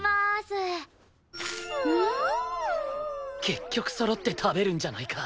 結局そろって食べるんじゃないか。